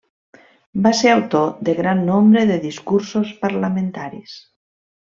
Va ser autor de gran nombre de discursos parlamentaris.